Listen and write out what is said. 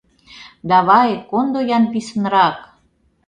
Давай, кондо-ян писынрак!